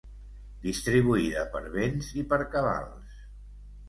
Distribuïda per béns i per cabals.